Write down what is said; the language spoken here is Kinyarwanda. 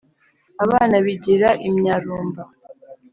Abana bigira imyarumba